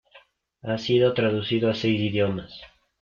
Ha sido traducido a seis idiomas.